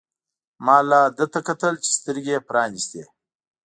ما لا ده ته کتل چې سترګې يې پرانیستې.